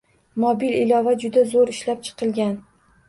Mobil ilova juda zoʻr ishlab chiqilgan.